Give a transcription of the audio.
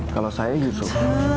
kalau saya yusuf